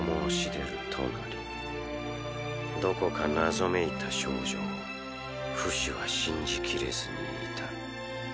どこか謎めいた少女をフシは信じ切れずにいた。